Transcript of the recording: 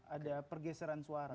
ada pergeseran suara